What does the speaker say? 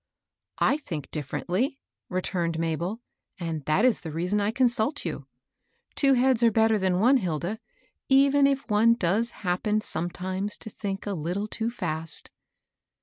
"I think differently," returned Mabel; "and that is the reason I consult you. Two heads are better than one, Hilda, even if one does happen sometimes to think a little too fast."